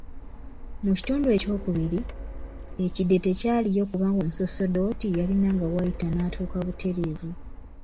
Mu kitundu ekyokubiri, ekide tekyaliyo kubanga omusosodooti yalinanga w’ayita n’atuuka butereevu.